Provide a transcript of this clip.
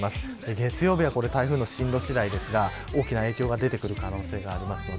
月曜日は台風の進路次第ですが大きな影響が出る可能性があります。